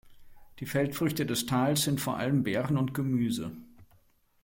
Die Feldfrüchte des Tals sind vor allem Beeren und Gemüse.